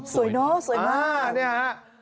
สวยเนาะสวยมาก